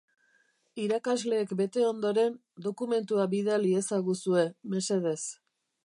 Irakasleek bete ondoren dokumentua bidal iezaguzue, mesedez.